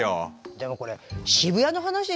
でもこれ渋谷の話でしょ？